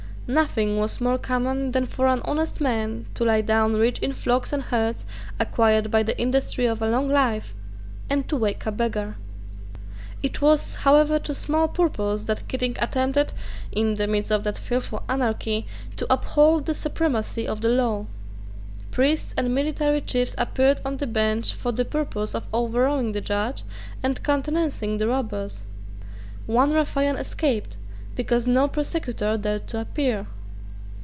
Nothing was more common than for an honest man to lie down rich in flocks and herds acquired by the industry of a long life, and to wake a beggar. It was however to small purpose that Keating attempted, in the midst of that fearful anarchy, to uphold the supremacy of the law. Priests and military chiefs appeared on the bench for the purpose of overawing the judge and countenancing the robbers. One ruffian escaped because no prosecutor dared to appear.